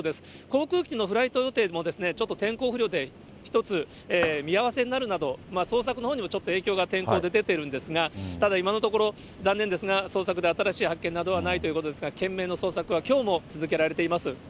航空機のフライト予定もちょっと天候不良で一つ見合わせになるなど、捜索のほうにもちょっと影響が天候で出てるんですが、ただ今のところ、残念ですが、捜索で新しい発見などはないということですが、懸命の捜索はきょうも続けられています。